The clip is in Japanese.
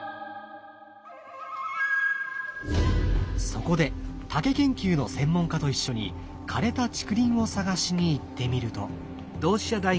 そこで竹研究の専門家と一緒に枯れた竹林を探しに行ってみると。